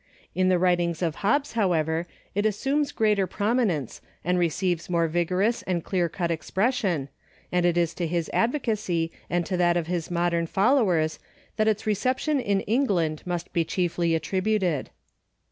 In the writings of Hobbes, however, it assumes greater prominence and receives more vigorous and clear cut expression, and it is to his advocacy and to that of his modern followers that its reception in England must be chiefly attributed.